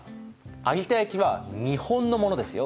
有田焼は日本のものですよ！